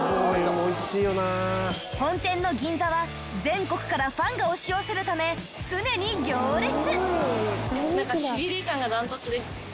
本店の銀座は全国からファンが押し寄せるため常に行列！